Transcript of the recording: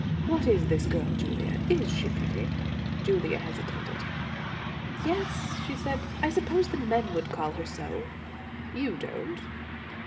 "What is this girl, Julia? Is she pretty?" Julia hesitated. "Yes," she said. "I suppose the men would call her so." "You don't?"